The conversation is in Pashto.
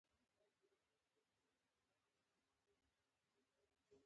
د ارزښتونو له لارې ټولنه منظمېږي.